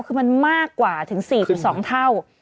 คือมันมากกว่าถึง๔๒เท่า